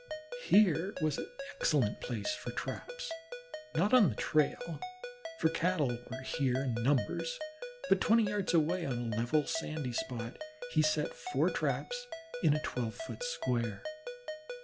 Here was an excellent place for traps, not on the trail, for Cattle were here in numbers, but twenty yards away on a level, sandy spot he set four traps in a twelve foot square.